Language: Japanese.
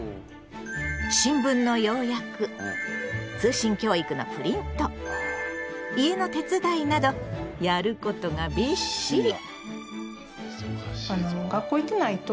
新聞の要約通信教育のプリント家の手伝いなどやることがびっしり。